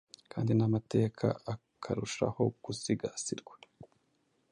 kandi n’amateka akarushaho gusigasirwa,